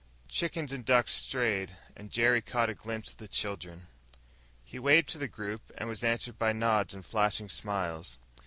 Chickens and ducks strayed, and Jerry caught a glimpse of children. He waved to the group and was answered by nods and flashing smiles.